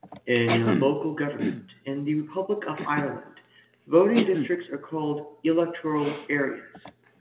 In local government in the Republic of Ireland voting districts are called "electoral areas".